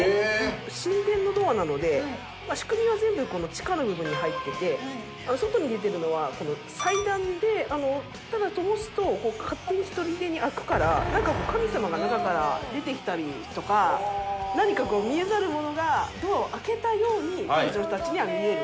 神殿のドアなので仕組みは全部地下の部分に入っていて外に出てるのはこの祭壇でただともすと勝手にひとりでに開くからなんか神様が中から出てきたりとか何かこう見えざる者がドアを開けたように当時の人たちには見える。